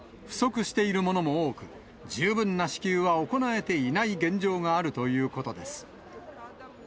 不足しているものも多く、十分な支給は行えていない現状があるということです。